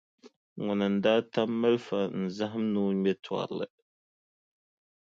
Ŋuni n-daa tam malifa n-zahim ni o ŋme tɔrili?